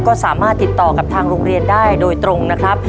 ก็สามารถติดต่อกับทางโรงเรียนได้โดยตรงนะครับ